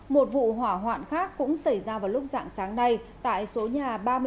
một vụ hỏa hoạn khác cũng xảy ra vào lúc dạng sáng nay tại số nhà ba mươi bảy